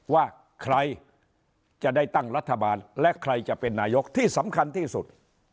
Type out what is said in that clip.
ว่าใครจะได้ตั้งรัฐบาลและใครจะเป็นนายกที่สำคัญที่สุด